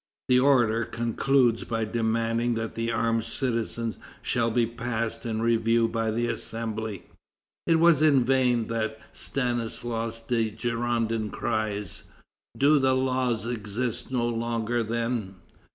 The orator concludes by demanding that the armed citizens shall be passed in review by the Assembly. It was in vain that Stanislas de Girardin cries, "Do the laws exist no longer, then?"